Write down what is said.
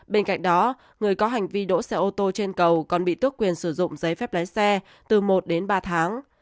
bên cạnh đó người có hành vi đỗ xe ô tô trên cầu còn bị tước quyền sử dụng giấy phép lái xe từ một đến ba tháng